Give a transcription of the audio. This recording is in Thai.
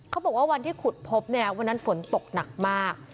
เขาบอกว่าวันที่ขุดพบเนี่ยวันนั้นฝนตกหนักมาก